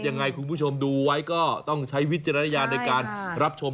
ยังไงคุณผู้ชมดูไว้ก็ต้องใช้วิจารณญาณในการรับชม